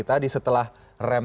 tadi setelah rem